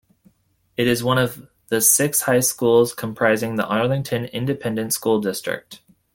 It is one of the six high schools comprising the Arlington Independent School District.